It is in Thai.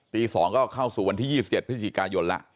ตี๒ก็เข้าสู่วันที่๒๗พกละ